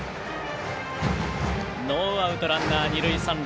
ノーアウトランナー、二塁三塁。